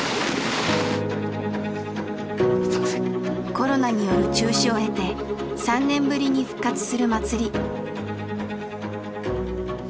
コロナによる中止を経て３年ぶりに復活する祭り。